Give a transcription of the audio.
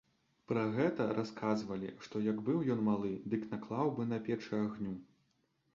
Пра гэта расказвалі, што як быў ён малы, дык наклаў быў на печы агню.